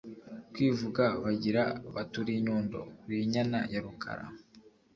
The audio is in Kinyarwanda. kwivuga bagira bati: “ Uri inyundo, uri inyana ya Rukara